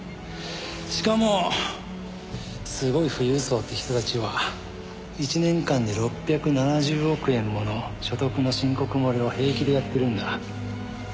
しかもすごい富裕層って人たちは１年間で６７０億円もの所得の申告漏れを平気でやってるんだ。